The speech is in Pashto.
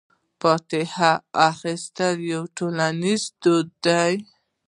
فاتحه اخیستل یو ټولنیز دود دی.